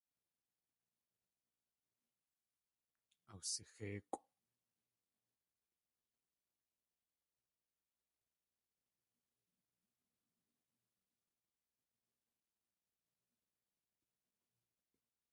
Awsixéikʼw.